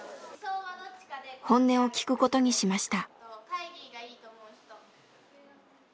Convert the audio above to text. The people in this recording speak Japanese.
本音を聞くことにしました。